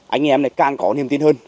anh em này càng có niềm tin hơn